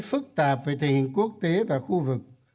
phức tạp về tình hình quốc tế và khu vực